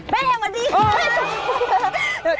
แม่ยังไม่รู้